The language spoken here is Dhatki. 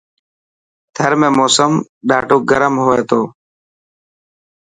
ٿر ۾ موسم ڏاڌو گرم هئي ٿو.